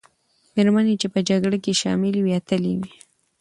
مېرمنې چې په جګړه کې شاملي وې، اتلې وې.